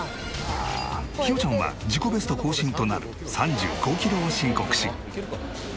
ヒヨちゃんは自己ベスト更新となる３５キロを申告し。